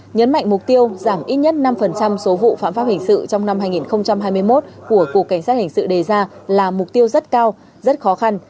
nhấn mạnh mục tiêu giảm ít nhất năm số vụ phạm pháp hình sự trong năm hai nghìn hai mươi một của cục cảnh sát hình sự đề ra là mục tiêu rất cao rất khó khăn